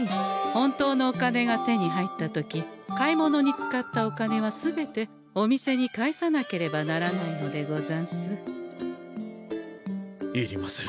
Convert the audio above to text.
本当のお金が手に入った時買い物に使ったお金は全てお店に返さなければならないのでござんす。いりません。